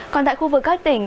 còn tại khu vực các tỉnh